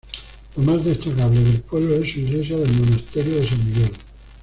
Lo más destacable del pueblo es su Iglesia del Monasterio de San Miguel.